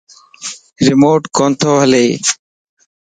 ريموٽ ڪوتو ھلئي